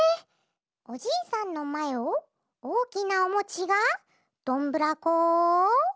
「おじいさんのまえをおおきなおもちがどんぶらこ」。